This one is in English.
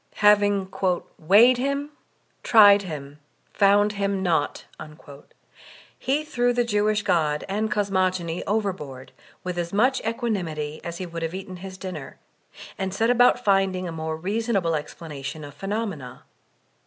Having ''weighed Him, tried Him, found Him naught,'' he threw the Jewish God and cosmogony over board with as much equanimity as he would have eaten his dinner, and set about finding a more reasonable ex planation of phenomena.